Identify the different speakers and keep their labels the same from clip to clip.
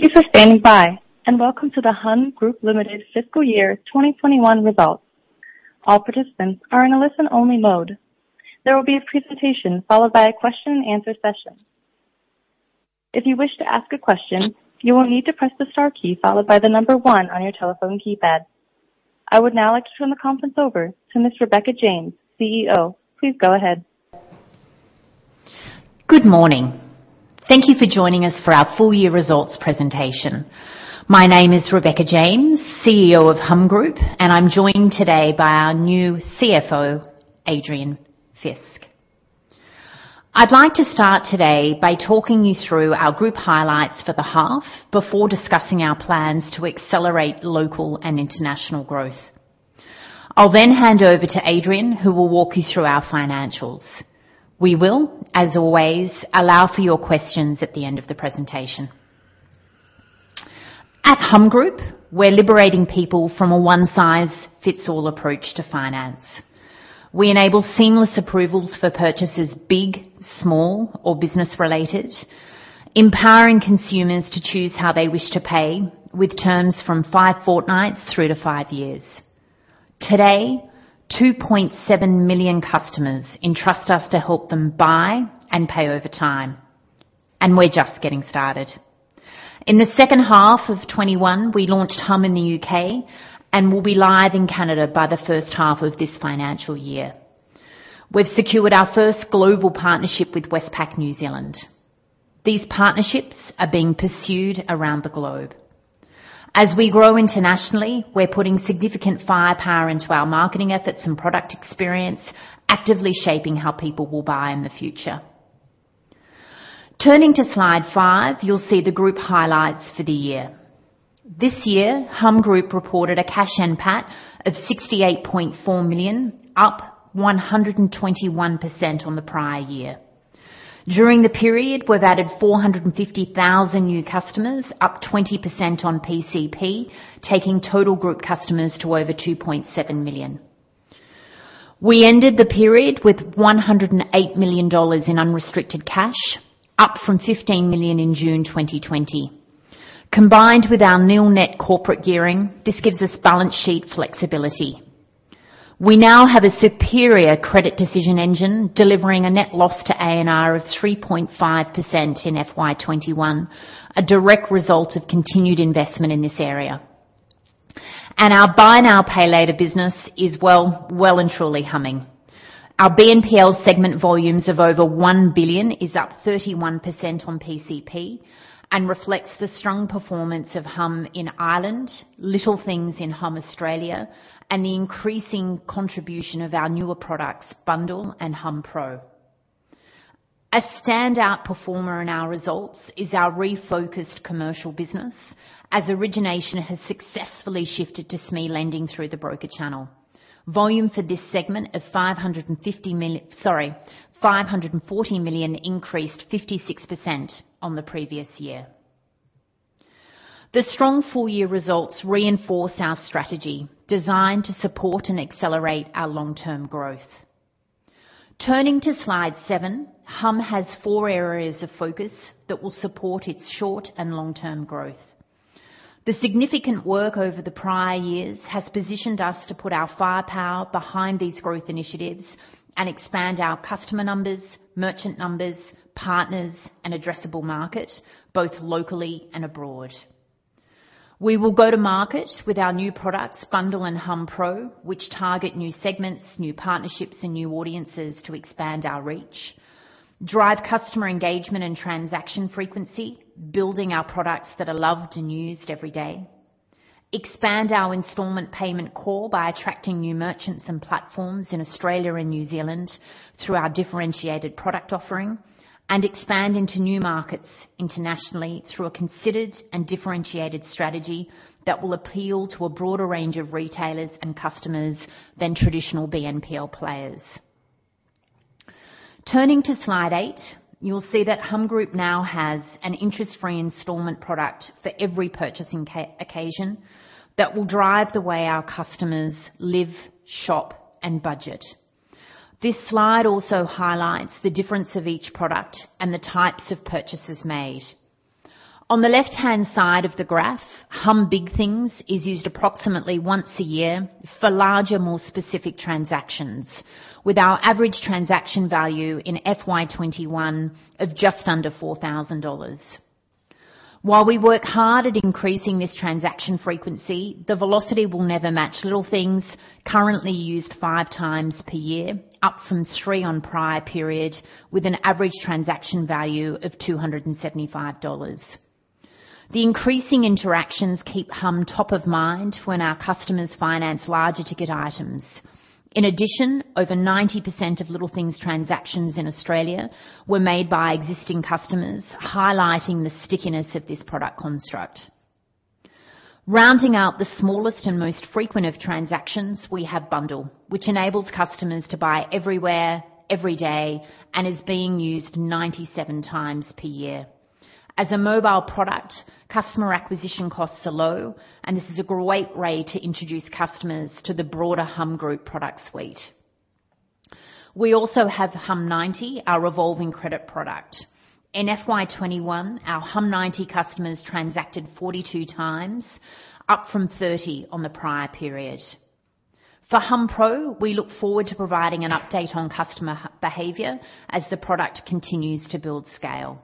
Speaker 1: Thank you for standing by, and welcome to the Humm Group Limited Fiscal Year 2021 results. All participants are in a listen-only mode. There will be a presentation followed by a question and answer session. If you wish to ask a question, you will need to press the star key followed by the number one on your telephone keypad. I would now like to turn the conference over to Ms. Rebecca James, CEO. Please go ahead.
Speaker 2: Good morning. Thank you for joining us for our full year results presentation. My name is Rebecca James, CEO of Humm Group, I'm joined today by our new CFO, Adrian Fisk. I'd like to start today by talking you through our group highlights for the half before discussing our plans to accelerate local and international growth. I'll then hand over to Adrian, who will walk you through our financials. We will, as always, allow for your questions at the end of the presentation. At Humm Group, we're liberating people from a one-size-fits-all approach to finance. We enable seamless approvals for purchases, big, small, or business related, empowering consumers to choose how they wish to pay with terms from five fortnights through to five years. Today, 2.7 million customers entrust us to help them buy and pay over time, we're just getting started. In the second half of 2021, we launched Humm in the U.K. and will be live in Canada by the first half of this financial year. We've secured our first global partnership with Westpac New Zealand. These partnerships are being pursued around the globe. As we grow internationally, we're putting significant firepower into our marketing efforts and product experience, actively shaping how people will buy in the future. Turning to slide five, you'll see the group highlights for the year. This year, Humm Group reported a cash NPAT of 68.4 million, up 121% on the prior year. During the period, we've added 450,000 new customers, up 20% on PCP, taking total group customers to over 2.7 million. We ended the period with 108 million dollars in unrestricted cash, up from 15 million in June 2020. Combined with our nil net corporate gearing, this gives us balance sheet flexibility. We now have a superior credit decision engine delivering a net loss to ANR of 3.5% in FY 2021, a direct result of continued investment in this area. Our Buy Now, Pay Later business is well and truly humming. Our BNPL segment volumes of over 1 billion is up 31% on PCP and reflects the strong performance of Humm in Ireland, Little things in Humm Australia, and the increasing contribution of our newer products, bundll and hummpro. A standout performer in our results is our refocused commercial business, as origination has successfully shifted to SME lending through the broker channel. Volume for this segment of 540 million increased 56% on the previous year. The strong full year results reinforce our strategy designed to support and accelerate our long-term growth. Turning to slide 7, Humm has four areas of focus that will support its short and long-term growth. The significant work over the prior years has positioned us to put our firepower behind these growth initiatives and expand our customer numbers, merchant numbers, partners, and addressable market, both locally and abroad. We will go to market with our new products, bundll and hummpro, which target new segments, new partnerships, and new audiences to expand our reach. Drive customer engagement and transaction frequency, building our products that are loved and used every day. Expand our installment payment core by attracting new merchants and platforms in Australia and New Zealand through our differentiated product offering. Expand into new markets internationally through a considered and differentiated strategy that will appeal to a broader range of retailers and customers than traditional BNPL players. Turning to slide eight, you'll see that Humm Group now has an interest-free installment product for every purchasing occasion that will drive the way our customers live, shop, and budget. This slide also highlights the difference of each product and the types of purchases made. On the left-hand side of the graph, Humm Big things is used approximately once a year for larger, more specific transactions. With our average transaction value in FY21 of just under 4,000 dollars. While we work hard at increasing this transaction frequency, the velocity will never match Little things, currently used five times per year, up from three on prior period, with an average transaction value of 275 dollars. The increasing interactions keep Humm top of mind when our customers finance larger ticket items. In addition, over 90% of Little things transactions in Australia were made by existing customers, highlighting the stickiness of this product construct. Rounding out the smallest and most frequent of transactions, we have bundll, which enables customers to buy everywhere, every day, and is being used 97 times per year. As a mobile product, customer acquisition costs are low, and this is a great way to introduce customers to the broader Humm Group product suite. We also have humm90, our revolving credit product. In FY 2021, our humm90 customers transacted 42 times, up from 30 on the prior period. For hummpro, we look forward to providing an update on customer behavior as the product continues to build scale.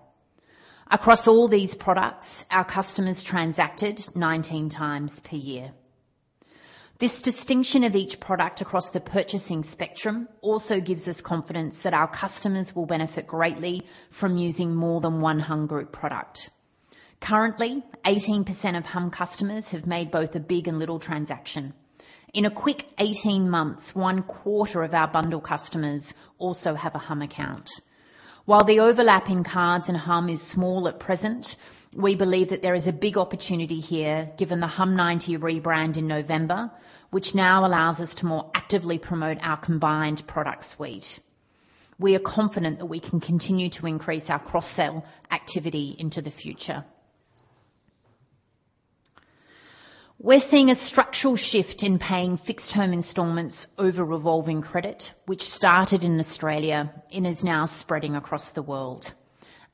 Speaker 2: Across all these products, our customers transacted 19 times per year. This distinction of each product across the purchasing spectrum also gives us confidence that our customers will benefit greatly from using more than one Humm Group product. Currently, 18% of Humm customers have made both a Big and Little transaction. In a quick 18 months, one quarter of our bundll customers also have a Humm account. While the overlap in cards and Humm is small at present, we believe that there is a big opportunity here given the humm90 rebrand in November, which now allows us to more actively promote our combined product suite. We are confident that we can continue to increase our cross-sell activity into the future. We're seeing a structural shift in paying fixed term installments over revolving credit, which started in Australia and is now spreading across the world.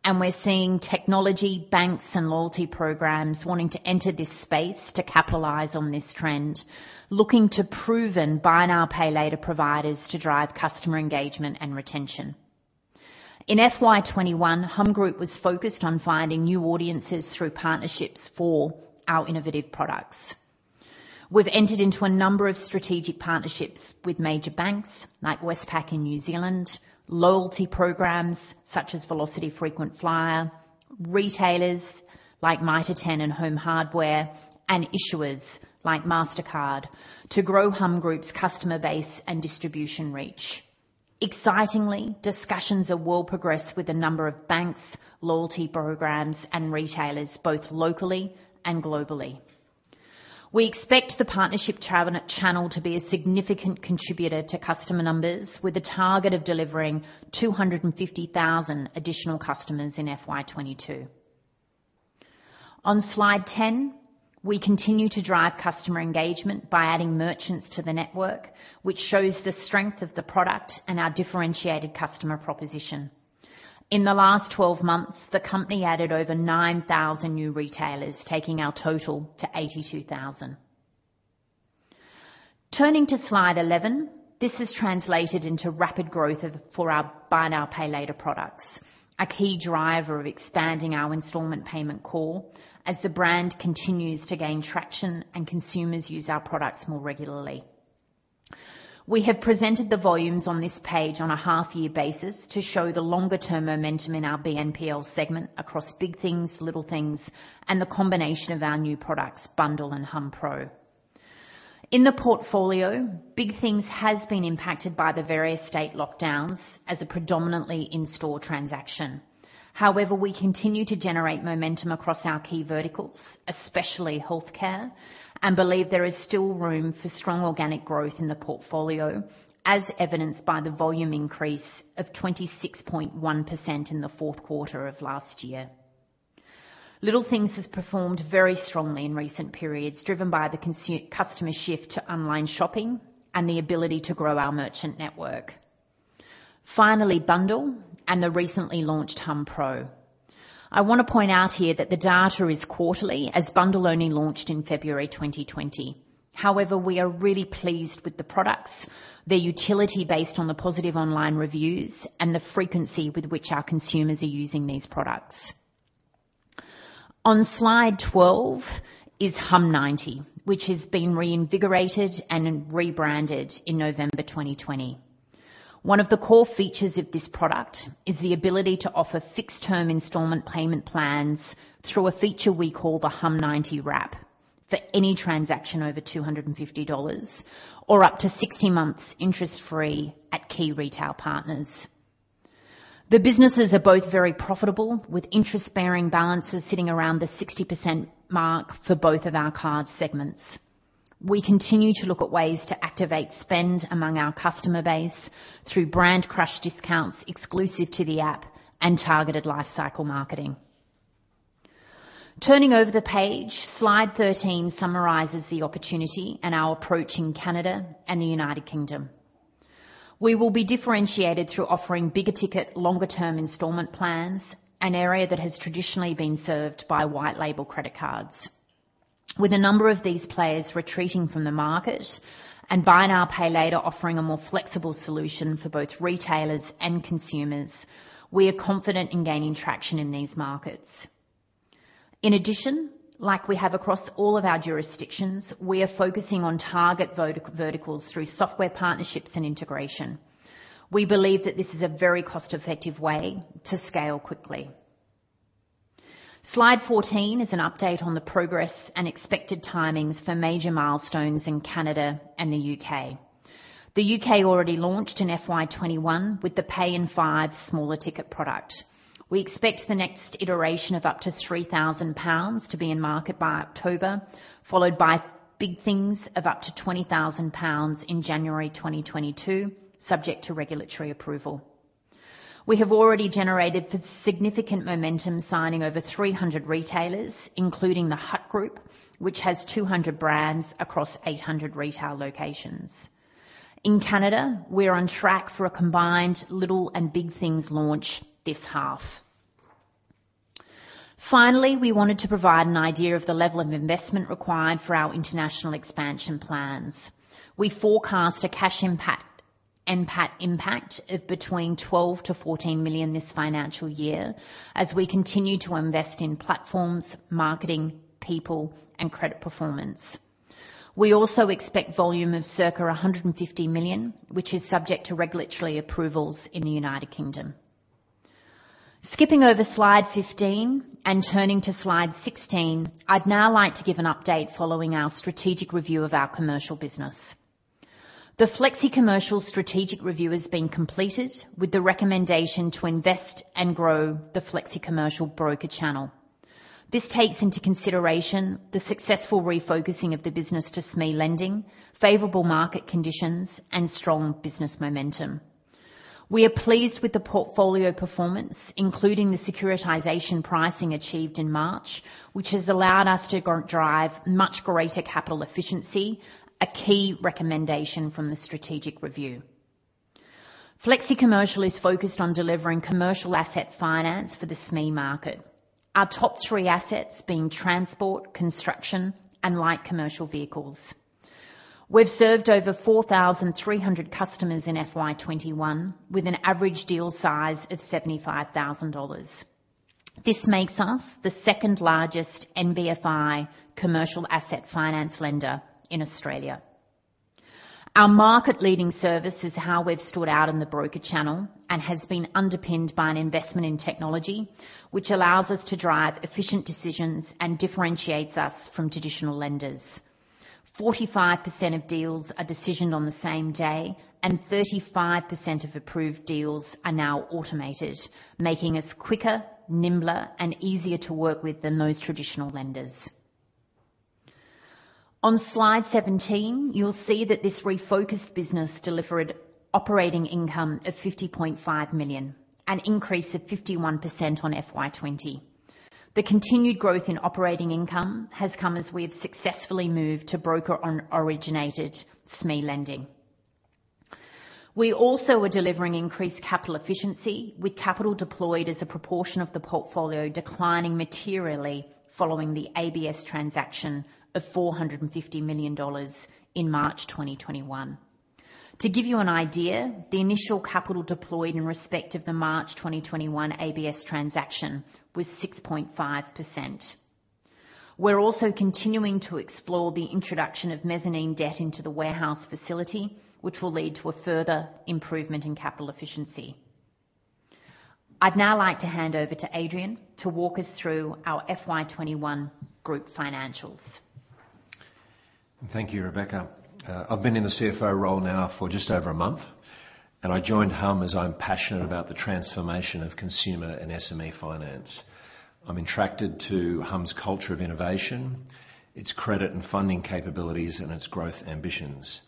Speaker 2: We're seeing technology, banks, and loyalty programs wanting to enter this space to capitalize on this trend, looking to proven Buy Now, Pay Later providers to drive customer engagement and retention. In FY 2021, Humm Group was focused on finding new audiences through partnerships for our innovative products. We've entered into a number of strategic partnerships with major banks like Westpac in New Zealand, loyalty programs such as Velocity Frequent Flyer, retailers like Mitre 10 and Home Hardware, and issuers like Mastercard to grow Humm Group's customer base and distribution reach. Excitingly, discussions are well progressed with a number of banks, loyalty programs, and retailers, both locally and globally. We expect the partnership channel to be a significant contributor to customer numbers, with a target of delivering 250,000 additional customers in FY 2022. On slide 10, we continue to drive customer engagement by adding merchants to the network, which shows the strength of the product and our differentiated customer proposition. In the last 12 months, the company added over 9,000 new retailers, taking our total to 82,000. Turning to slide 11, this has translated into rapid growth for our Buy Now, Pay Later products, a key driver of expanding our installment payment core as the brand continues to gain traction and consumers use our products more regularly. We have presented the volumes on this page on a half-year basis to show the longer term momentum in our BNPL segment across Big things, Little things, and the combination of our new products, bundll and hummpro. In the portfolio, Big things has been impacted by the various state lockdowns as a predominantly in-store transaction. We continue to generate momentum across our key verticals, especially healthcare, and believe there is still room for strong organic growth in the portfolio, as evidenced by the volume increase of 26.1% in the fourth quarter of last year. Little things has performed very strongly in recent periods, driven by the customer shift to online shopping and the ability to grow our merchant network. bundll and the recently launched hummpro. I want to point out here that the data is quarterly, as bundll only launched in February 2020. We are really pleased with the products, their utility based on the positive online reviews, and the frequency with which our consumers are using these products. On slide 12 is humm90, which has been reinvigorated and rebranded in November 2020. One of the core features of this product is the ability to offer fixed term installment payment plans through a feature we call the humm90//WRAP for any transaction over 250 dollars, or up to 60 months interest free at key retail partners. The businesses are both very profitable, with interest bearing balances sitting around the 60% mark for both of our card segments. We continue to look at ways to activate spend among our customer base through Brandcrush discounts exclusive to the app and targeted life cycle marketing. Turning over the page, slide 13 summarizes the opportunity and our approach in Canada and the United Kingdom. We will be differentiated through offering bigger ticket, longer term installment plans, an area that has traditionally been served by white label credit cards. With a number of these players retreating from the market and Buy Now, Pay Later offering a more flexible solution for both retailers and consumers, we are confident in gaining traction in these markets. In addition, like we have across all of our jurisdictions, we are focusing on target verticals through software partnerships and integration. We believe that this is a very cost-effective way to scale quickly. Slide 14 is an update on the progress and expected timings for major milestones in Canada and the U.K. The U.K. already launched in FY 2021 with the Pay in five smaller ticket product. We expect the next iteration of up to 3,000 pounds to be in market by October, followed by Big things of up to 20,000 pounds in January 2022, subject to regulatory approval. We have already generated significant momentum signing over 300 retailers, including The Hut Group, which has 200 brands across 800 retail locations. In Canada, we're on track for a combined Little things and Big things launch this half. We wanted to provide an idea of the level of investment required for our international expansion plans. We forecast a cash NPAT impact of between 12 million-14 million this financial year as we continue to invest in platforms, marketing, people, and credit performance. We also expect volume of circa 150 million, which is subject to regulatory approvals in the U.K. Skipping over slide 15 and turning to slide 16, I'd now like to give an update following our strategic review of our commercial business. The Flexicommercial strategic review has been completed with the recommendation to invest and grow the Flexicommercial broker channel. This takes into consideration the successful refocusing of the business to SME lending, favorable market conditions, and strong business momentum. We are pleased with the portfolio performance, including the securitization pricing achieved in March, which has allowed us to drive much greater capital efficiency, a key recommendation from the strategic review. Flexicommercial is focused on delivering commercial asset finance for the SME market, our top three assets being transport, construction, and light commercial vehicles. We've served over 4,300 customers in FY 2021, with an average deal size of 75,000 dollars. This makes us the second largest NBFI commercial asset finance lender in Australia. Our market leading service is how we've stood out in the broker channel and has been underpinned by an investment in technology, which allows us to drive efficient decisions and differentiates us from traditional lenders. 45% of deals are decisioned on the same day and 35% of approved deals are now automated, making us quicker, nimbler, and easier to work with than most traditional lenders. On slide 17, you'll see that this refocused business delivered operating income of 50.5 million, an increase of 51% on FY 2020. The continued growth in operating income has come as we have successfully moved to broker on originated SME lending. We also are delivering increased capital efficiency with capital deployed as a proportion of the portfolio declining materially following the ABS transaction of 450 million dollars in March 2021. To give you an idea, the initial capital deployed in respect of the March 2021 ABS transaction was 6.5%. We're also continuing to explore the introduction of mezzanine debt into the warehouse facility, which will lead to a further improvement in capital efficiency. I'd now like to hand over to Adrian to walk us through our FY 2021 group financials.
Speaker 3: Thank you, Rebecca. I've been in the CFO role now for just over a month, and I joined Humm as I'm passionate about the transformation of consumer and SME finance. I'm attracted to Humm's culture of innovation, its credit and funding capabilities, and its growth ambitions.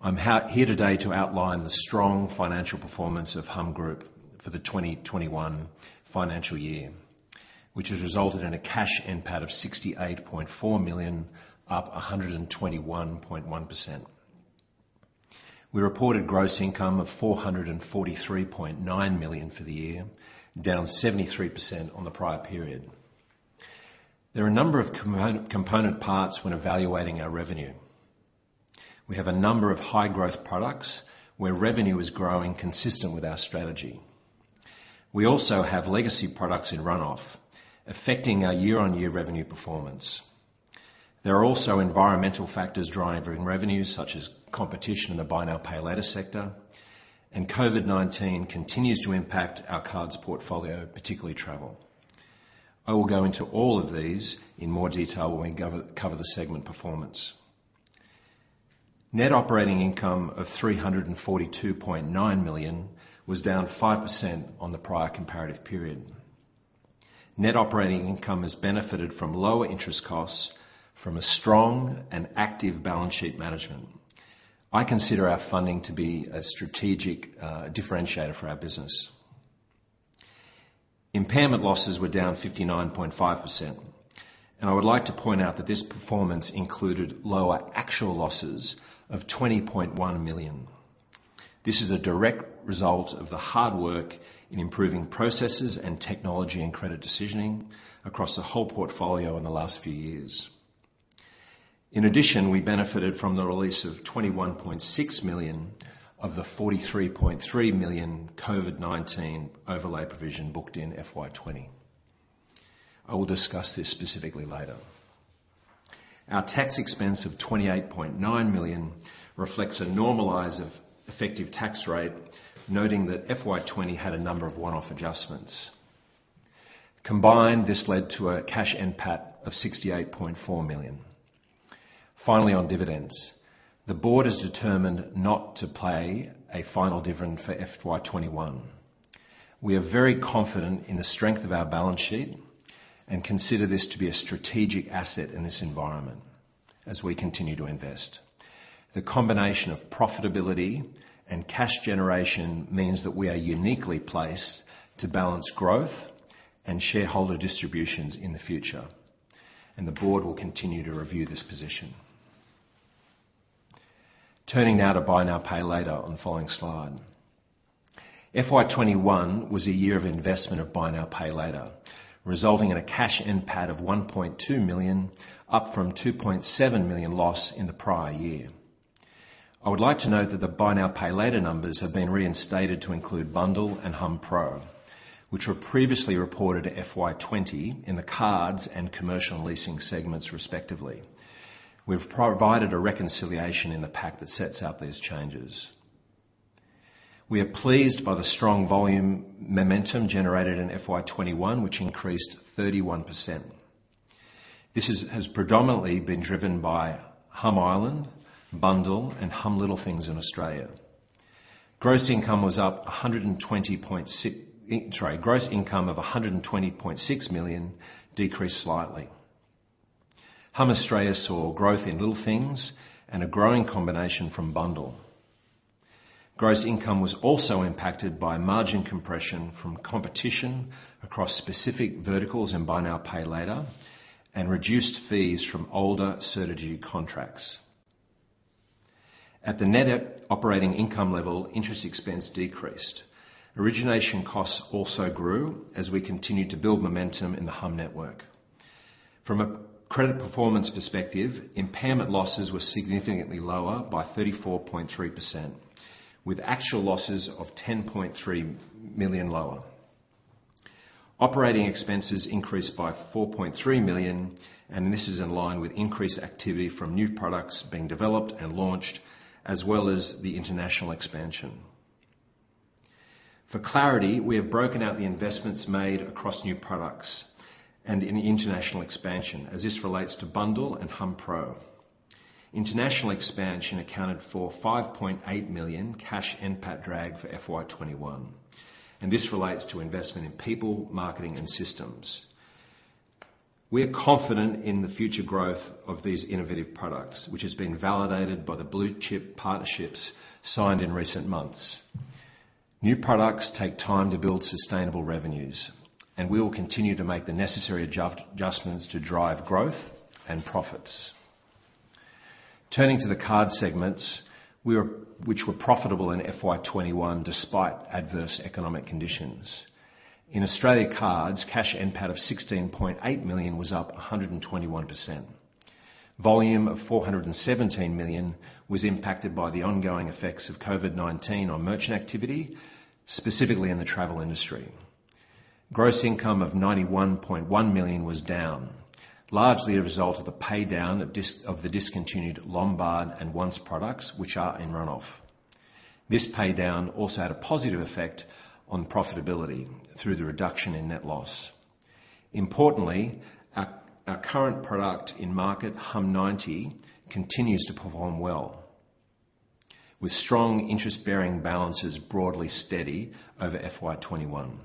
Speaker 3: I'm here today to outline the strong financial performance of Humm Group for the 2021 financial year, which has resulted in a cash NPAT of 68.4 million, up 121.1%. We reported gross income of 443.9 million for the year, down 73% on the prior period. There are a number of component parts when evaluating our revenue. We have a number of high growth products where revenue is growing consistent with our strategy. We also have legacy products in runoff affecting our year-on-year revenue performance. There are also environmental factors driving revenues such as competition in the Buy Now, Pay Later sector, and COVID-19 continues to impact our cards portfolio, particularly travel. I will go into all of these in more detail when we cover the segment performance. Net operating income of 342.9 million was down 5% on the prior comparative period. Net operating income has benefited from lower interest costs from a strong and active balance sheet management. I consider our funding to be a strategic differentiator for our business. Impairment losses were down 59.5%, and I would like to point out that this performance included lower actual losses of 20.1 million. This is a direct result of the hard work in improving processes and technology and credit decisioning across the whole portfolio in the last few years. In addition, we benefited from the release of 21.6 million of the 43.3 million COVID-19 overlay provision booked in FY 2020. I will discuss this specifically later. Our tax expense of 28.9 million reflects a normalized effective tax rate, noting that FY 2020 had a number of one-off adjustments. Combined, this led to a cash NPAT of 68.4 million. Finally, on dividends. The board is determined not to pay a final dividend for FY 2021. We are very confident in the strength of our balance sheet and consider this to be a strategic asset in this environment as we continue to invest. The combination of profitability and cash generation means that we are uniquely placed to balance growth and shareholder distributions in the future, and the board will continue to review this position. Turning now to Buy Now, Pay Later on the following slide. FY 2021 was a year of investment of Buy Now, Pay Later, resulting in a cash NPAT of 1.2 million, up from 2.7 million loss in the prior year. I would like to note that the Buy Now, Pay Later numbers have been restated to include bundll and hummpro, which were previously reported FY 2020 in the cards and commercial leasing segments, respectively. We've provided a reconciliation in the pack that sets out these changes. We are pleased by the strong volume momentum generated in FY21, which increased 31%. This has predominantly been driven by Humm Ireland, bundll, and humm Little things in Australia. Gross income of 120.6 million decreased slightly. Humm Australia saw growth in Little things and a growing combination from bundll. Gross income was also impacted by margin compression from competition across specific verticals in Buy Now, Pay Later, and reduced fees from older Certegy contracts. At the net operating income level, interest expense decreased. Origination costs also grew as we continued to build momentum in the Humm network. From a credit performance perspective, impairment losses were significantly lower by 34.3%, with actual losses of 10.3 million lower. Operating expenses increased by 4.3 million, and this is in line with increased activity from new products being developed and launched, as well as the international expansion. For clarity, we have broken out the investments made across new products and in the international expansion as this relates to bundll and hummpro. International expansion accounted for 5.8 million cash NPAT drag for FY 2021, and this relates to investment in people, marketing, and systems. We are confident in the future growth of these innovative products, which has been validated by the blue-chip partnerships signed in recent months. New products take time to build sustainable revenues, and we will continue to make the necessary adjustments to drive growth and profits. Turning to the card segments, which were profitable in FY 2021 despite adverse economic conditions. In Australia Cards, cash NPAT of 16.8 million was up 121%. Volume of 417 million was impacted by the ongoing effects of COVID-19 on merchant activity, specifically in the travel industry. Gross income of 91.1 million was down, largely a result of the pay-down of the discontinued Lombard and Once products, which are in run-off. This pay-down also had a positive effect on profitability through the reduction in net loss. Importantly, our current product in market, humm90, continues to perform well, with strong interest-bearing balances broadly steady over FY 2021.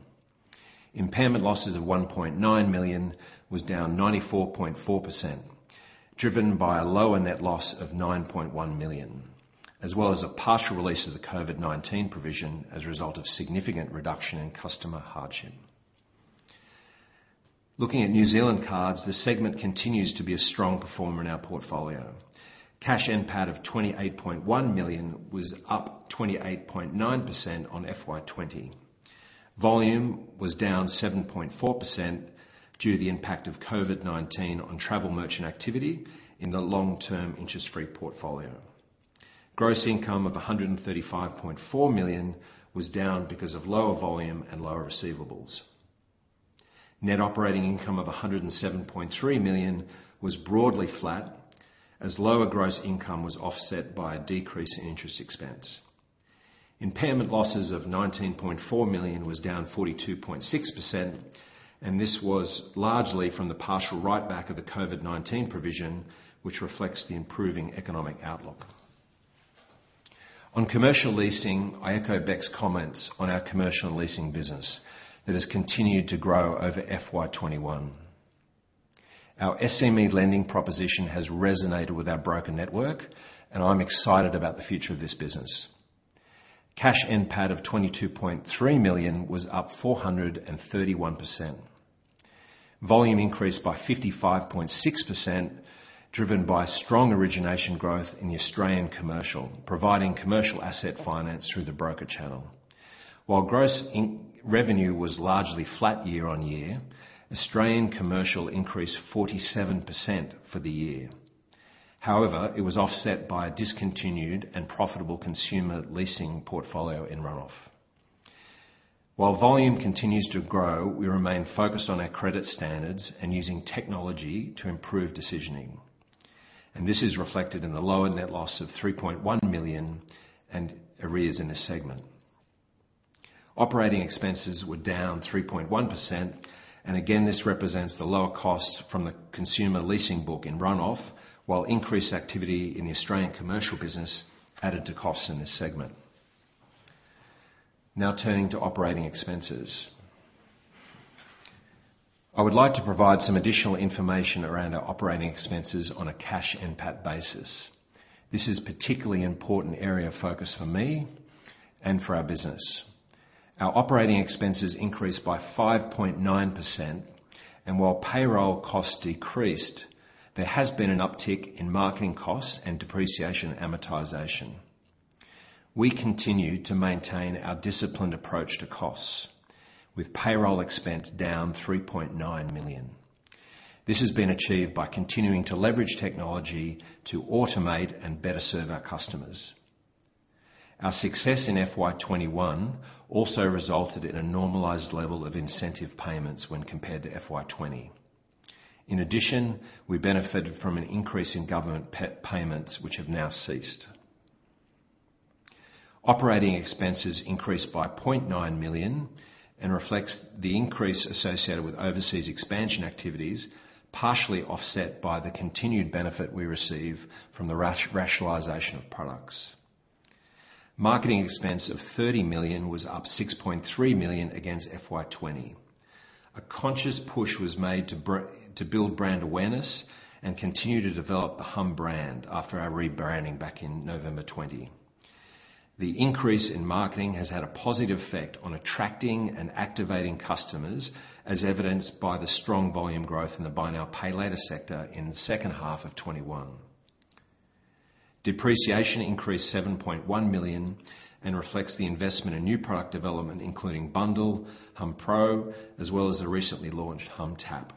Speaker 3: Impairment losses of 1.9 million was down 94.4%, driven by a lower net loss of 9.1 million, as well as a partial release of the COVID-19 provision as a result of significant reduction in customer hardship. Looking at New Zealand Cards, this segment continues to be a strong performer in our portfolio. Cash NPAT of 28.1 million was up 28.9% on FY 2020. Volume was down 7.4% due to the impact of COVID-19 on travel merchant activity in the long-term interest-free portfolio. Gross income of 135.4 million was down because of lower volume and lower receivables. Net operating income of 107.3 million was broadly flat as lower gross income was offset by a decrease in interest expense. Impairment losses of 19.4 million was down 42.6%. This was largely from the partial write-back of the COVID-19 provision, which reflects the improving economic outlook. On commercial leasing, I echo Bec's comments on our commercial leasing business that has continued to grow over FY 2021. Our SME lending proposition has resonated with our broker network. I'm excited about the future of this business. Cash NPAT of 22.3 million was up 431%. Volume increased by 55.6%, driven by strong origination growth in the Australian Commercial, providing commercial asset finance through the broker channel. While gross revenue was largely flat year-over-year, Australian Commercial increased 47% for the year. However, it was offset by a discontinued and profitable consumer leasing portfolio in run-off. While volume continues to grow, we remain focused on our credit standards and using technology to improve decisioning. This is reflected in the lower net loss of 3.1 million and arrears in this segment. Operating expenses were down 3.1%. Again, this represents the lower cost from the consumer leasing book in run-off, while increased activity in the Australian commercial business added to costs in this segment. Now turning to operating expenses. I would like to provide some additional information around our operating expenses on a cash NPAT basis. This is a particularly important area of focus for me and for our business. Our operating expenses increased by 5.9%. While payroll costs decreased, there has been an uptick in marketing costs and depreciation amortization. We continue to maintain our disciplined approach to costs, with payroll expense down 3.9 million. This has been achieved by continuing to leverage technology to automate and better serve our customers. Our success in FY 2021 also resulted in a normalized level of incentive payments when compared to FY 2020. In addition, we benefited from an increase in government payments, which have now ceased. Operating expenses increased by 0.9 million and reflects the increase associated with overseas expansion activities, partially offset by the continued benefit we receive from the rationalization of products. Marketing expense of 30 million was up 6.3 million against FY 2020. A conscious push was made to build brand awareness and continue to develop the Humm brand after our rebranding back in November 2020. The increase in marketing has had a positive effect on attracting and activating customers, as evidenced by the strong volume growth in the Buy Now, Pay Later sector in the second half of 2021. Depreciation increased 7.1 million and reflects the investment in new product development, including bundll, hummpro, as well as the recently launched humm//TAPP.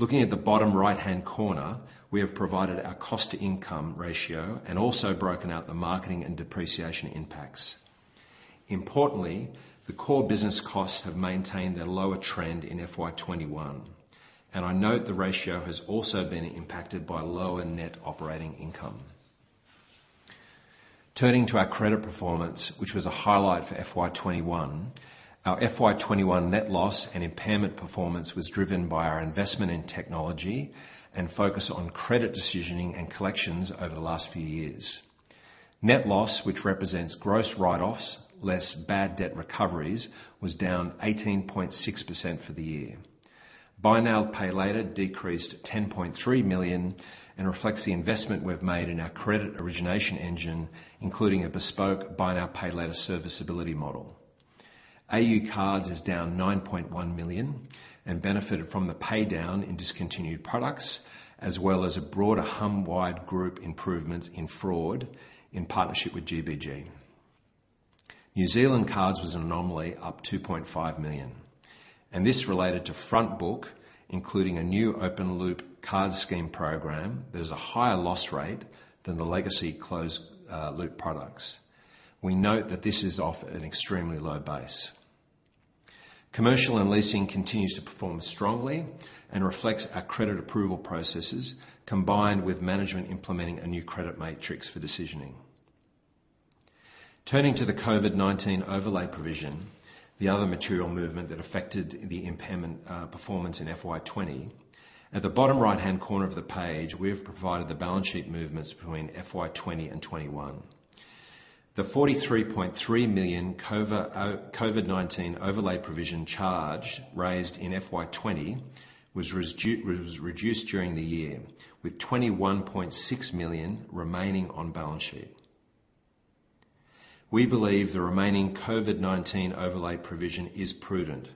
Speaker 3: Looking at the bottom right-hand corner, we have provided our cost-to-income ratio and also broken out the marketing and depreciation impacts. Importantly, the core business costs have maintained their lower trend in FY 2021, and I note the ratio has also been impacted by lower net operating income. Turning to our credit performance, which was a highlight for FY 2021, our FY 2021 net loss and impairment performance was driven by our investment in technology and focus on credit decisioning and collections over the last few years. Net loss, which represents gross write-offs less bad debt recoveries, was down 18.6% for the year. Buy now, pay later decreased 10.3 million and reflects the investment we've made in our credit origination engine, including a bespoke Buy Now, Pay Later serviceability model. AU Cards is down 9.1 million and benefited from the paydown in discontinued products, as well as broader Humm Group-wide improvements in fraud in partnership with GBG. New Zealand Cards was an anomaly, up 2.5 million, and this related to front book, including a new open-loop card scheme program that has a higher loss rate than the legacy closed loop products. Commercial and leasing continues to perform strongly and reflects our credit approval processes, combined with management implementing a new credit matrix for decisioning. Turning to the COVID-19 overlay provision, the other material movement that affected the impairment performance in FY 2020, at the bottom right-hand corner of the page, we've provided the balance sheet movements between FY 2020 and FY 2021. The 43.3 million COVID-19 overlay provision charge raised in FY 2020 was reduced during the year, with 21.6 million remaining on balance sheet. We believe the remaining COVID-19 overlay provision is prudent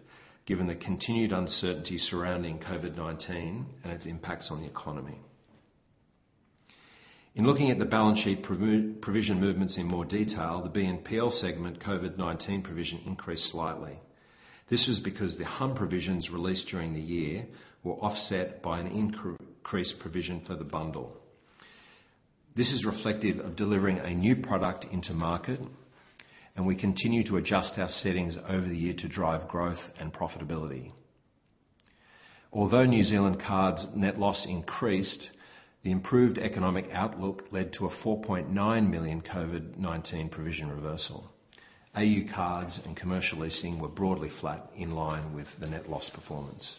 Speaker 3: given the continued uncertainty surrounding COVID-19 and its impacts on the economy. In looking at the balance sheet provision movements in more detail, the BNPL segment COVID-19 provision increased slightly. This was because the Humm provisions released during the year were offset by an increased provision for the bundll. This is reflective of delivering a new product into market, and we continue to adjust our settings over the year to drive growth and profitability. Although New Zealand Card's net loss increased, the improved economic outlook led to a 4.9 million COVID-19 provision reversal. AU Cards and commercial leasing were broadly flat in line with the net loss performance.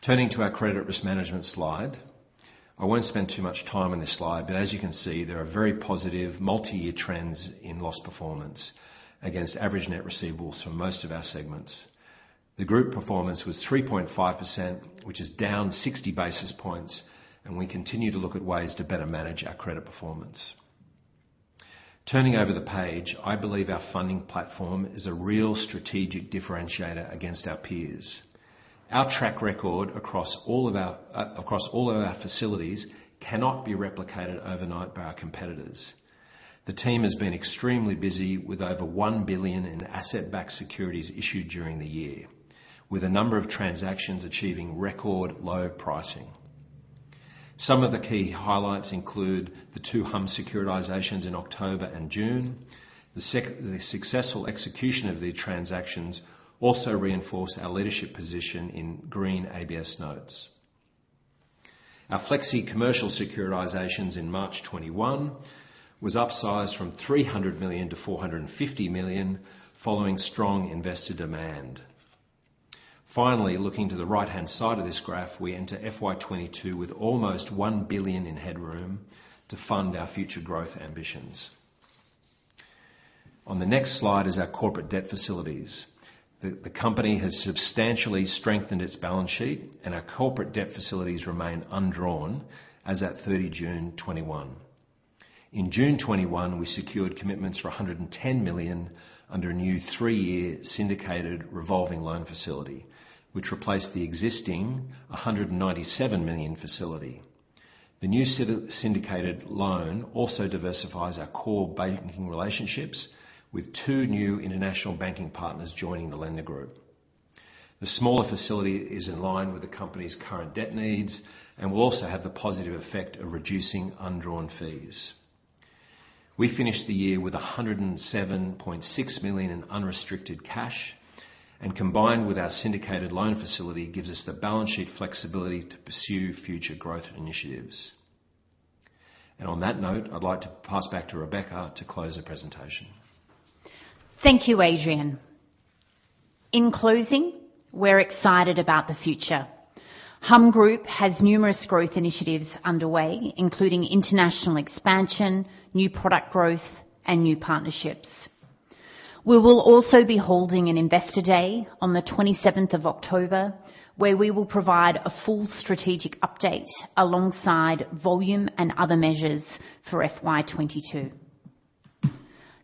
Speaker 3: Turning to our credit risk management slide. I won't spend too much time on this slide, but as you can see, there are very positive multi-year trends in loss performance against average net receivables for most of our segments. The group performance was 3.5%, which is down 60 basis points, and we continue to look at ways to better manage our credit performance. Turning over the page, I believe our funding platform is a real strategic differentiator against our peers. Our track record across all of our facilities cannot be replicated overnight by our competitors. The team has been extremely busy with over 1 billion in asset-backed securities issued during the year, with a number of transactions achieving record low pricing. Some of the key highlights include the two Humm securitizations in October and June. The successful execution of the transactions also reinforce our leadership position in green ABS notes. Our Flexicommercial securitizations in March 2021 was upsized from 300 million to 450 million following strong investor demand. Looking to the right-hand side of this graph, we enter FY 2022 with almost 1 billion in headroom to fund our future growth ambitions. On the next slide is our corporate debt facilities. The company has substantially strengthened its balance sheet, and our corporate debt facilities remain undrawn as at 30 June, 2021. In June 2021, we secured commitments for 110 million under a new three-year syndicated revolving loan facility, which replaced the existing 197 million facility. The new syndicated loan also diversifies our core banking relationships with two new international banking partners joining the lender group. The smaller facility is in line with the company's current debt needs and will also have the positive effect of reducing undrawn fees. We finished the year with 107.6 million in unrestricted cash, combined with our syndicated loan facility, gives us the balance sheet flexibility to pursue future growth initiatives. On that note, I'd like to pass back to Rebecca to close the presentation.
Speaker 2: Thank you, Adrian. In closing, we're excited about the future. Humm Group has numerous growth initiatives underway, including international expansion, new product growth, and new partnerships. We will also be holding an investor day on the 27th of October, where we will provide a full strategic update alongside volume and other measures for FY 2022.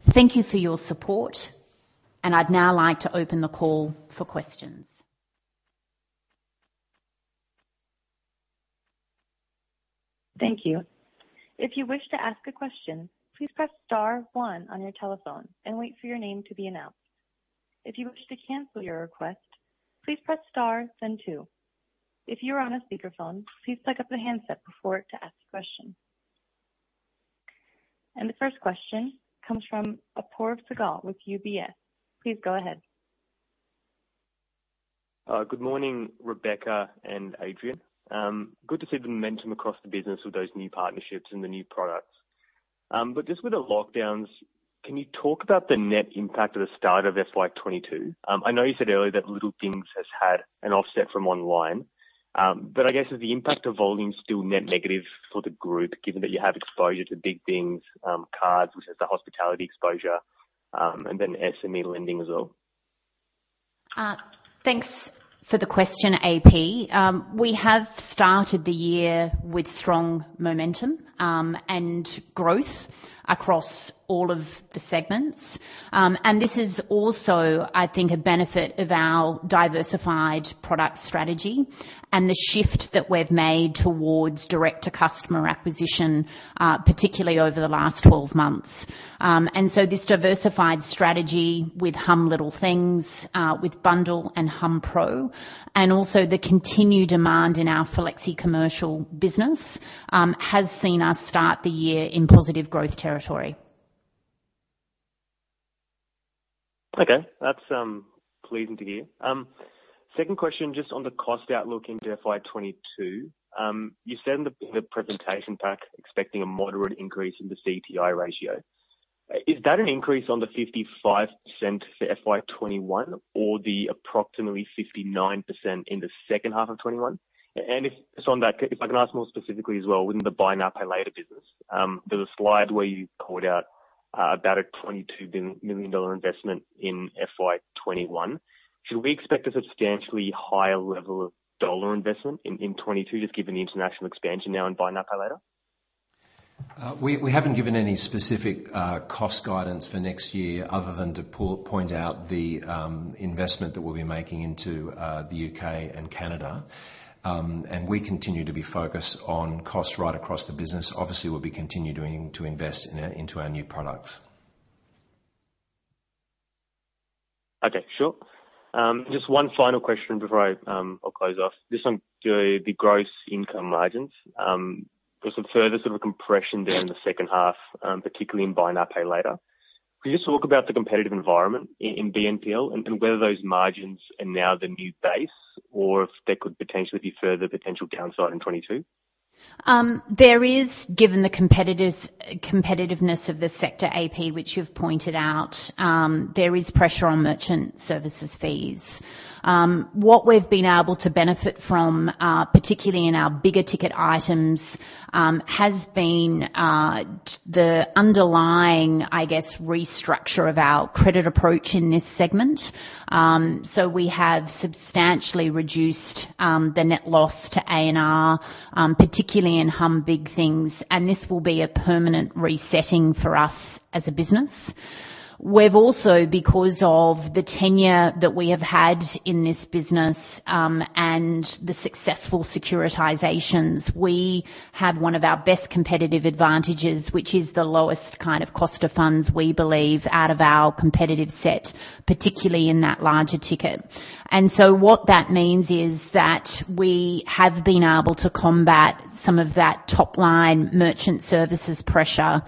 Speaker 2: Thank you for your support, and I'd now like to open the call for questions.
Speaker 1: Thank you. If you wish to ask a question please press star one on your telephone and wait for your name to be announced. If you wish to cancel your request, please press star then two. If you are on a speakerphone, please pick up the handset before pressing the Ask Question. The first question comes from Apoorv Sehgal with UBS. Please go ahead.
Speaker 4: Good morning, Rebecca and Adrian. Good to see the momentum across the business with those new partnerships and the new products. Just with the lockdowns, can you talk about the net impact at the start of FY 2022? I know you said earlier that Little things has had an offset from online. I guess, is the impact of volume still net negative for the group given that you have exposure to Big things, cards, which has the hospitality exposure, and then SME lending as well?
Speaker 2: Thanks for the question, AP. We have started the year with strong momentum, and growth across all of the segments. This is also, I think, a benefit of our diversified product strategy and the shift that we've made towards direct-to-customer acquisition, particularly over the last 12 months. This diversified strategy with Humm Little things, with bundll and hummpro, and also the continued demand in our Flexicommercial business, has seen us start the year in positive growth territory.
Speaker 4: Okay. That's pleasing to hear. Second question, just on the cost outlook into FY 2022. You said in the presentation pack, expecting a moderate increase in the CTI ratio. Is that an increase on the 55% for FY 2021 or the approximately 59% in the second half of 2021? If so, on that, if I can ask more specifically as well within the Buy Now, Pay Later business. There's a slide where you called out about an 22 million investment in FY 2021. Should we expect a substantially higher level of dollar investment in 2022, just given the international expansion now in Buy Now, Pay Later?
Speaker 3: We haven't given any specific cost guidance for next year other than to point out the investment that we'll be making into the U.K. and Canada. We continue to be focused on cost right across the business. Obviously, we'll be continuing to invest into our new products.
Speaker 4: Okay, sure. Just one final question before I will close off. Just on the gross income margins. There is some further sort of compression there in the second half, particularly in Buy Now, Pay Later. Could you just talk about the competitive environment in BNPL and whether those margins are now the new base or if there could potentially be further potential downside in 2022?
Speaker 2: There is, given the competitiveness of the sector, AP, which you've pointed out, there is pressure on merchant services fees. What we've been able to benefit from, particularly in our bigger ticket items, has been the underlying, I guess, restructure of our credit approach in this segment. We have substantially reduced the net loss to ARR, particularly in Humm Big things, and this will be a permanent resetting for us as a business. We've also, because of the tenure that we have had in this business, and the successful securitizations, we have one of our best competitive advantages, which is the lowest kind of cost of funds, we believe, out of our competitive set, particularly in that larger ticket. What that means is that we have been able to combat some of that top-line merchant services pressure,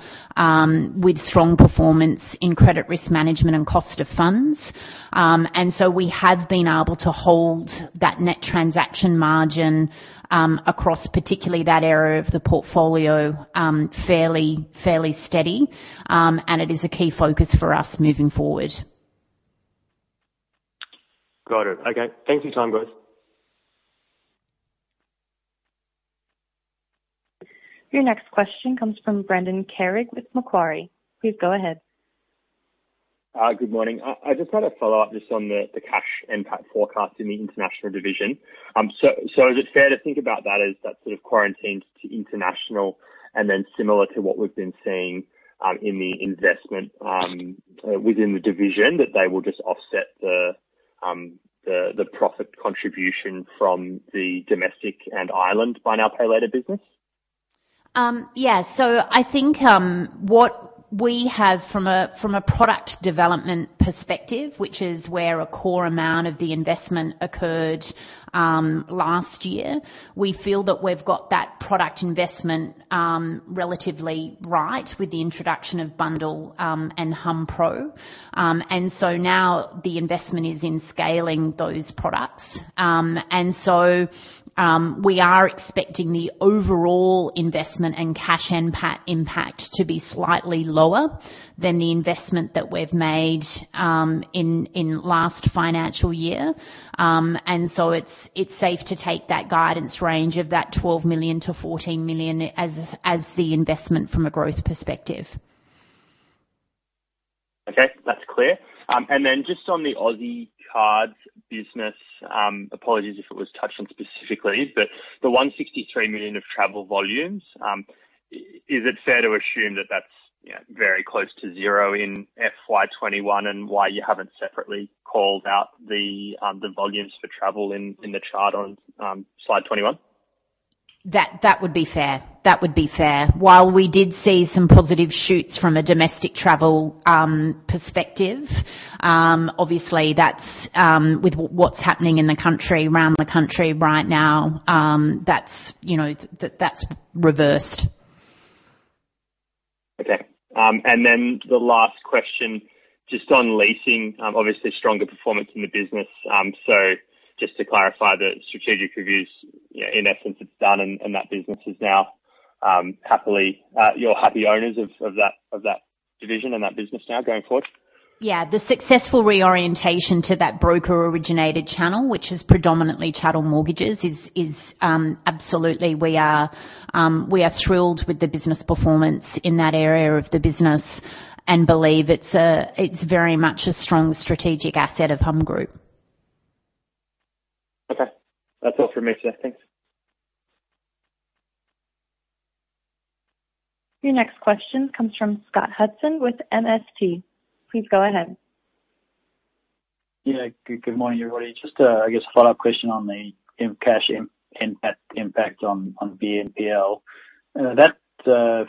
Speaker 2: with strong performance in credit risk management and cost of funds. We have been able to hold that net transaction margin, across particularly that area of the portfolio, fairly steady. It is a key focus for us moving forward.
Speaker 4: Got it. Okay. Thank you for your time, guys.
Speaker 1: Your next question comes from Brendan Carrig with Macquarie. Please go ahead.
Speaker 5: Good morning. I just had a follow-up just on the cash NPAT forecast in the international division. Is it fair to think about that as that sort of quarantined to international and then similar to what we've been seeing, in the investment within the division, that they will just offset the profit contribution from the domestic and New Zealand Buy Now, Pay Later business?
Speaker 2: Yeah. I think what we have from a product development perspective, which is where a core amount of the investment occurred last year, we feel that we've got that product investment relatively right with the introduction of bundll and hummpro. Now the investment is in scaling those products. We are expecting the overall investment and cash NPAT impact to be slightly lower than the investment that we've made in last financial year. It's safe to take that guidance range of that 12 million-14 million as the investment from a growth perspective.
Speaker 5: Okay, that's clear. Just on the Aussie cards business, apologies if it was touched on specifically, but the 163 million of travel volumes, is it fair to assume that that's very close to zero in FY 2021 and why you haven't separately called out the volumes for travel in the chart on slide 21?
Speaker 2: That would be fair. While we did see some positive shoots from a domestic travel perspective, obviously with what's happening in the country, around the country right now, that's reversed.
Speaker 5: Okay. The last question, just on leasing, obviously stronger performance in the business. Just to clarify the strategic reviews, in essence, it's done and that business is now you're happy owners of that division and that business now going forward?
Speaker 2: The successful reorientation to that broker-originated channel, which is predominantly chattel mortgages is absolutely we are thrilled with the business performance in that area of the business and believe it's very much a strong strategic asset of Humm Group.
Speaker 5: Okay. That's all from me. Yeah, thanks.
Speaker 1: Your next question comes from Scott Hudson with MST. Please go ahead.
Speaker 6: Yeah. Good morning, everybody. Just a, I guess, follow-up question on the cash impact on BNPL, that 15.8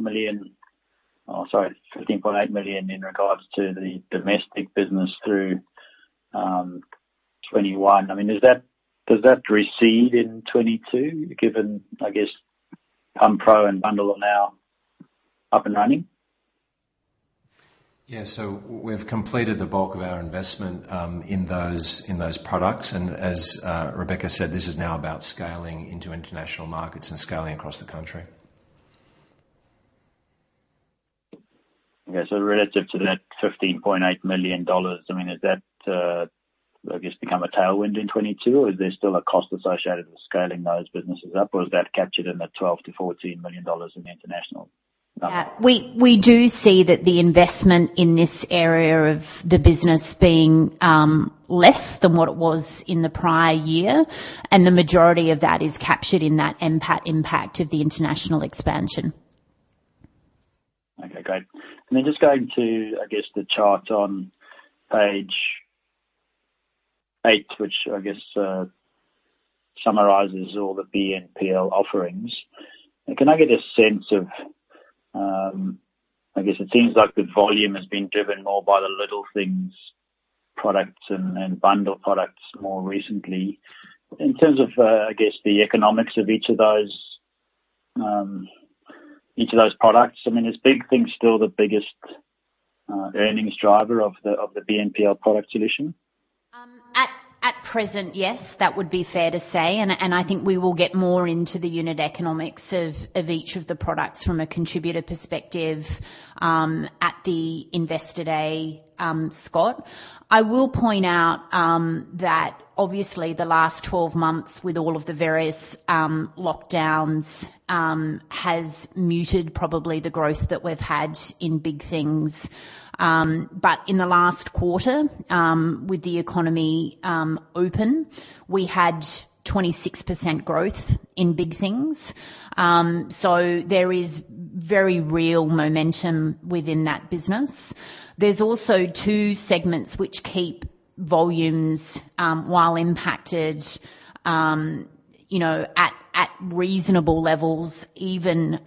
Speaker 6: million in regards to the domestic business through FY 2021. Does that recede in FY 2022, given, I guess Humm Pro and bundll are now up and running?
Speaker 3: We've completed the bulk of our investment in those products. As Rebecca said, this is now about scaling into international markets and scaling across the country.
Speaker 6: Okay. relative to that 15.8 million dollars, is that, I guess, become a tailwind in 2022, or is there still a cost associated with scaling those businesses up, or is that captured in the 12 million-14 million dollars in the international number?
Speaker 2: We do see that the investment in this area of the business being less than what it was in the prior year, and the majority of that is captured in that NPAT impact of the international expansion.
Speaker 6: Okay, great. Just going to the chart on page eight, which I guess summarizes all the BNPL offerings. It seems like the volume has been driven more by the Little things products and bundll products more recently. In terms of the economics of each of those products, is Big things still the biggest earnings driver of the BNPL product division?
Speaker 2: At present, yes, that would be fair to say. I think we will get more into the unit economics of each of the products from a contributor perspective at the Investor Day, Scott. I will point out that obviously the last 12 months with all of the various lockdowns, has muted probably the growth that we've had in Big things. In the last quarter, with the economy open, we had 26% growth in Big things. There is very real momentum within that business. There's also two segments which keep volumes, while impacted, at reasonable levels even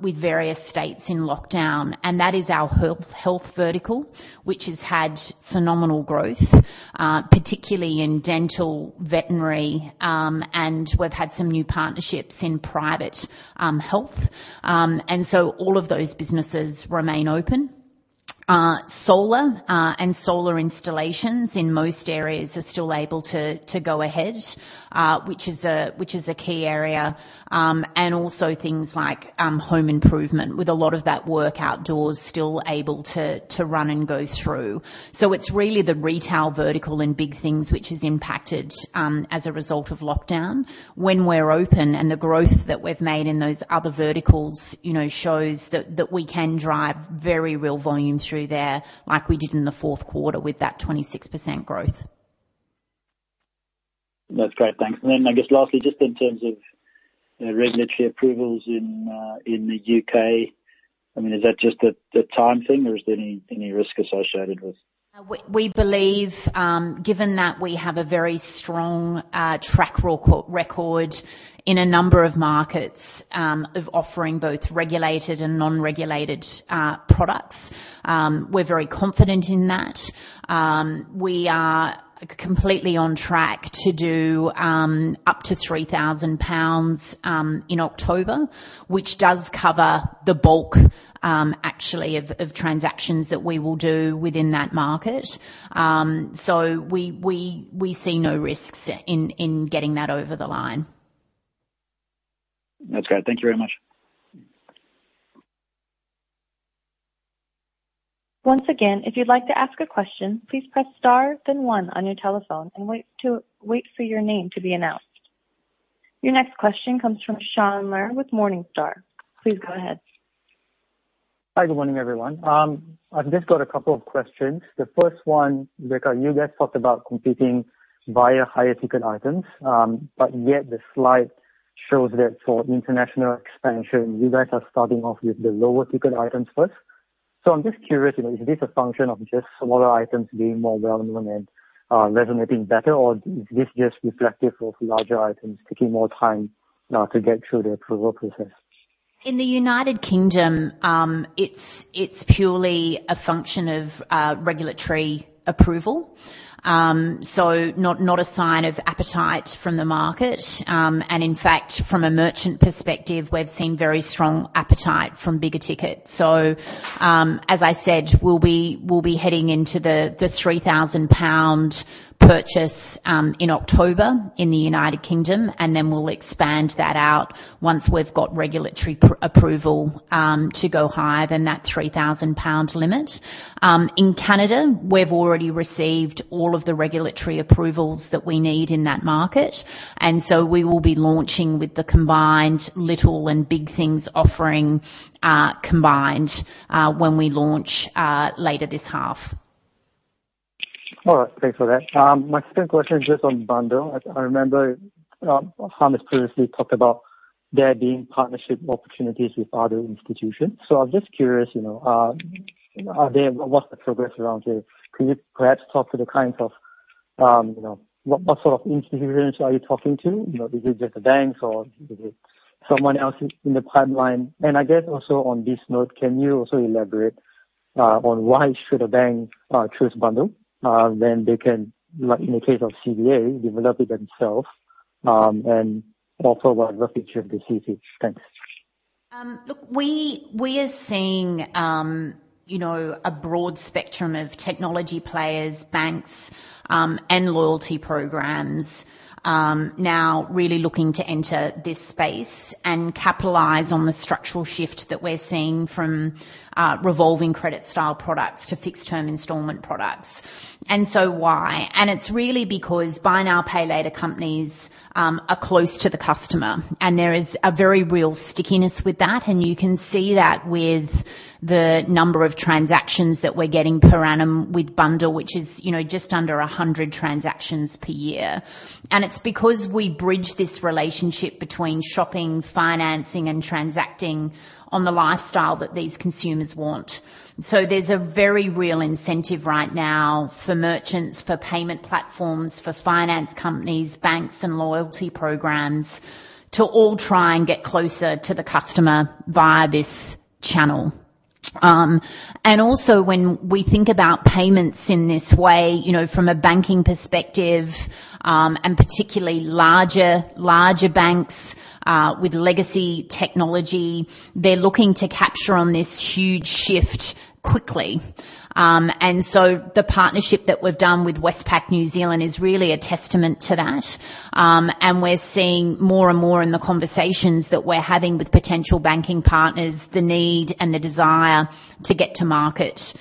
Speaker 2: with various states in lockdown. That is our health vertical, which has had phenomenal growth, particularly in dental, veterinary, and we've had some new partnerships in private health. All of those businesses remain open. Solar and solar installations in most areas are still able to go ahead, which is a key area. Also things like home improvement, with a lot of that work outdoors, still able to run and go through. It's really the retail vertical and Big things which is impacted as a result of lockdown. When we're open and the growth that we've made in those other verticals shows that we can drive very real volume through there like we did in the fourth quarter with that 26% growth.
Speaker 6: That's great. Thanks. I guess lastly, just in terms of regulatory approvals in the U.K., is that just a time thing or is there any risk associated with-
Speaker 2: We believe, given that we have a very strong track record in a number of markets of offering both regulated and non-regulated products, we're very confident in that. We are completely on track to do up to 3,000 pounds in October, which does cover the bulk, actually, of transactions that we will do within that market. We see no risks in getting that over the line.
Speaker 6: That's great. Thank you very much.
Speaker 1: Once again, if you'd like to ask a question, please press star then one on your telephone and wait for your name to be announced. Your next question comes from Shaun Ler with Morningstar. Please go ahead.
Speaker 7: Hi. Good morning, everyone. I've just got a couple of questions. The first one, Rebecca, you guys talked about competing via higher ticket items. Yet the slide shows that for international expansion, you guys are starting off with the lower ticket items first. I'm just curious, is this a function of just smaller items being more relevant and resonating better, or is this just reflective of larger items taking more time to get through the approval process?
Speaker 2: In the United Kingdom, it's purely a function of regulatory approval. Not a sign of appetite from the market. In fact, from a merchant perspective, we've seen very strong appetite from bigger ticket. As I said, we'll be heading into the 3,000 pound purchase in October in the United Kingdom, and then we'll expand that out once we've got regulatory approval to go higher than that 3,000 pound limit. In Canada, we've already received all of the regulatory approvals that we need in that market, we will be launching with the combined Little and Big things offering combined when we launch later this half.
Speaker 7: All right. Thanks for that. My second question is just on bundll. I remember [Hamid] previously talked about there being partnership opportunities with other institutions. I was just curious, what's the progress around there? What sort of institutions are you talking to? Is it just the banks or is it someone else in the pipeline? I guess also on this note, can you also elaborate on why should a bank choose bundll when they can, like in the case of CBA, develop it themselves? Also what the future could be? Thanks.
Speaker 2: Look, we are seeing a broad spectrum of technology players, banks, and loyalty programs now really looking to enter this space and capitalize on the structural shift that we're seeing from revolving credit style products to fixed-term installment products. Why? It's really because Buy Now, Pay Later companies are close to the customer, and there is a very real stickiness with that. You can see that with the number of transactions that we're getting per annum with bundll, which is just under 100 transactions per year. It's because we bridge this relationship between shopping, financing, and transacting on the lifestyle that these consumers want. There's a very real incentive right now for merchants, for payment platforms, for finance companies, banks, and loyalty programs to all try and get closer to the customer via this channel. Also when we think about payments in this way, from a banking perspective, and particularly larger banks, with legacy technology, they're looking to capture on this huge shift quickly. So the partnership that we've done with Westpac New Zealand is really a testament to that. We're seeing more and more in the conversations that we're having with potential banking partners, the need and the desire to get to market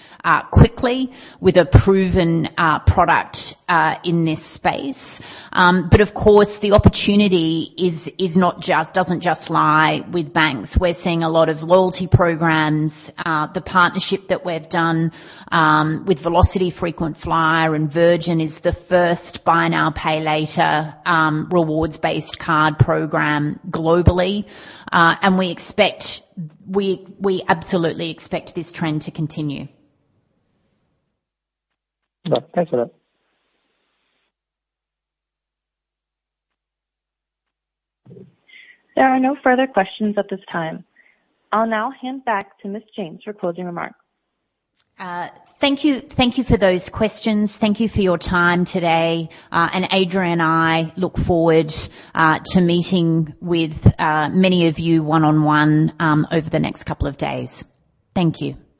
Speaker 2: quickly with a proven product in this space. Of course, the opportunity doesn't just lie with banks. We're seeing a lot of loyalty programs. The partnership that we've done with Velocity Frequent Flyer and Virgin is the first Buy Now, Pay Later, rewards-based card program globally. We absolutely expect this trend to continue.
Speaker 7: Yeah. Thanks for that.
Speaker 1: There are no further questions at this time. I will now hand back to Ms. James for closing remarks.
Speaker 2: Thank you for those questions. Thank you for your time today. Adrian and I look forward to meeting with many of you one-on-one over the next couple of days. Thank you.